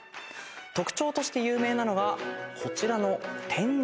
特徴として有名なのがこちらの天井画。